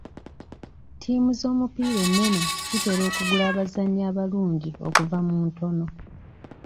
Ttiimu z'omupiira ennene zitera okugula abazannyi abalungi okuva mu ntono.